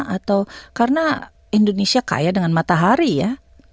atau karena indonesia kaya dengan matahari ya